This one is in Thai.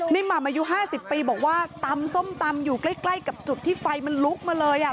หม่ำอายุ๕๐ปีบอกว่าตำส้มตำอยู่ใกล้กับจุดที่ไฟมันลุกมาเลยอ่ะ